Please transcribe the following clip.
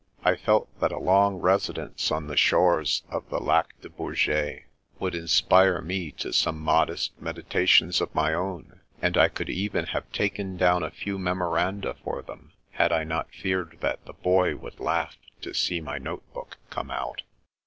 I felt that a long residence on the shores of the Lac de Bourget would inspire me to some modest meditations of my own, and I could even have taken down a few memoranda for them, had I not feared that the Boy would laugh to see my note book come out.